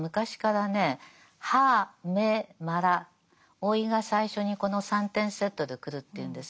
老いが最初にこの３点セットで来るっていうんです。